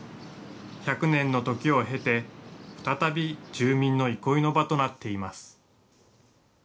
１００年の時を経て、再び住民の憩いの場となっています。